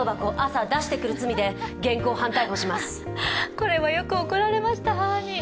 これもよく怒られました、母に。